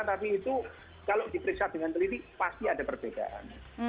tapi itu kalau diperiksa dengan teliti pasti ada perbedaan